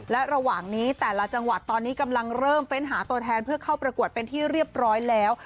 และระหว่างนี้แต่ละจังหวัดตอนนี้กำลังเริ่มเฟ้นหาตัวแทนเพื่อเข้าประกวดเป็นที่เรียบร้อยแล้ว